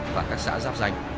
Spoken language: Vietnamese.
và các xã giáp rành